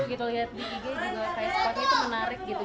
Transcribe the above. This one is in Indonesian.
kita lihat di gigi juga kayak sepatunya itu menarik gitu